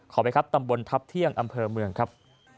ไปครับตำบลทัพเที่ยงอำเภอเมืองครับ